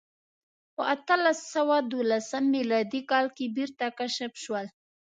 په اتلس سوه دولسم میلادي کال بېرته کشف شول.